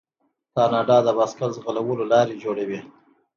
کاناډا د بایسکل ځغلولو لارې جوړوي.